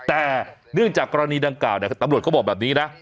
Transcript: แต่เนื่องจากกรณีดังกล่าวตำรวจเขาบอกแบบนี้นะ